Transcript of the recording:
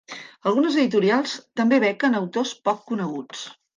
Algunes editorials també bequen autors poc coneguts.